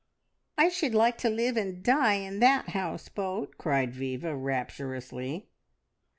"I should like to live and die in that house boat!" cried Viva rapturously.